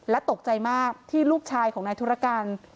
ตกใจมากที่ลูกชายของนายธุรการ